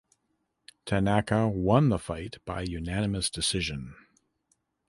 Tanaka won the fight by unanimous decision.